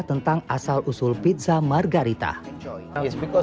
dan orang ini memasak tomat mozzarella dan basil